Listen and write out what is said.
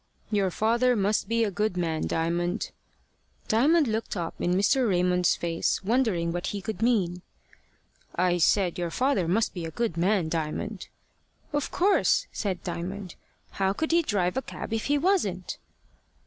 "Your father must be a good man, Diamond." Diamond looked up in Mr. Raymond's face, wondering what he could mean. "I said your father must be a good man, Diamond." "Of course," said Diamond. "How could he drive a cab if he wasn't?"